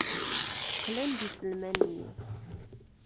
Qlan-d iselman-nni.